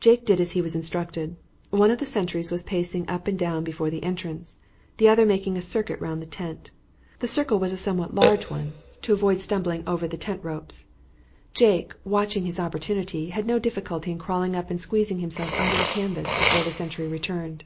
Jake did as he was instructed. One of the sentries was pacing up and down before the entrance, the other making a circuit round the tent. The circle was a somewhat large one to avoid stumbling over the tent ropes. Jake, watching his opportunity, had no difficulty in crawling up and squeezing himself under the canvas before the sentry returned.